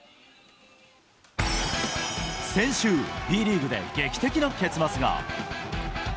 先週、Ｂリーグで劇的な結末が。